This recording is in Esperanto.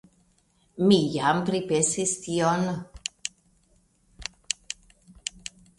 Mi jam pripensis tion.